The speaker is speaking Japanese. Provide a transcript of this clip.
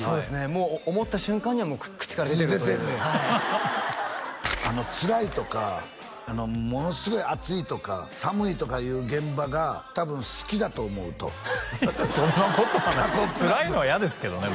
もう思った瞬間には口から出てるというはいつらいとかものすごい暑いとか寒いとかいう現場が多分好きだと思うとそんなことはないつらいのは嫌ですけどね